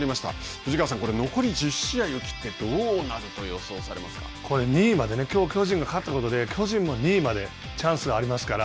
藤川さん、残り１０試合を切って、これ、２位まできょう巨人が勝ったことで、巨人も２位までチャンスがありますから。